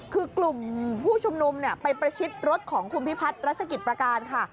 คือกลุ่มผู้ชุมนุมไปประชิดรถของคุณพิพัฒน์รัชกิจประการค่ะ